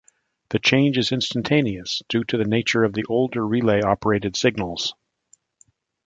The change is instantaneous, due to the nature of the older relay operated signals.